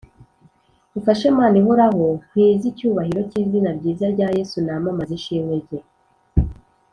umfashe, Man’ihoraho nkwiz’icyubahiro cy’izina ryiza rya Yesu namamaz’ishimwe rye.